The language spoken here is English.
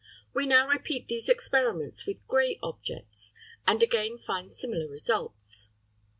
We now repeat these experiments with grey objects, and again find similar results.